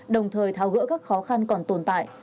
đồng thời tháo gỡ các khó khăn còn tồn tại